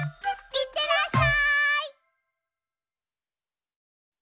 いってらっしゃい！